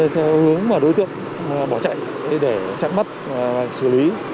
theo hướng đối tượng bỏ chạy để chặn bắt xử lý